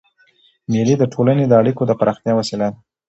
مېلې د ټولني د اړیکو د پراختیا وسیله ده.